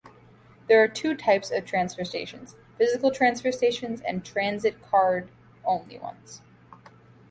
There are two types of transfer stations: physical transfer stations and transit-card only ones.